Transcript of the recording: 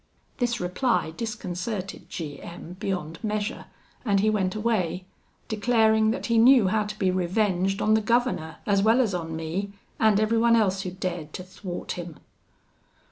This reply disconcerted G M beyond measure and he went away, declaring that he knew how to be revenged on the governor, as well as on me, and everyone else who dared to thwart him.